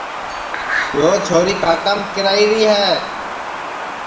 یو چھوری کاکام کیراھیری ہے